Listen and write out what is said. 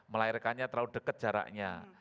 melahirkannya terlalu dekat jaraknya